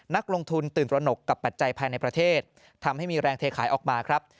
นักลงทุนตื่นตระหนกกับปัจจัยภายในประเทศทำให้มีแรงเทขายออกมาครับ